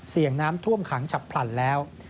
เสี่ยงน้ำท่วมขังฉับพลันแล้ว